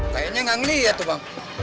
kayaknya gak liat tuh bang